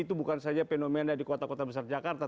itu bukan saja fenomena di kota kota besar jakarta